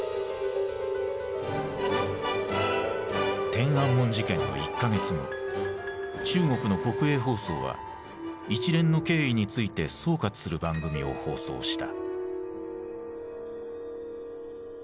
天安門事件の１か月後中国の国営放送は一連の経緯について総括する番組を放送した。